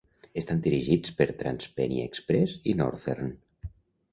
Estan dirigits per TransPennine Express i Northern.